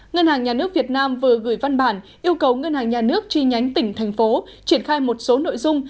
ngân hàng nhà nước việt nam vừa gửi văn bản yêu cầu ngân hàng nhà nước chi nhánh tỉnh thành phố triển khai một số nội dung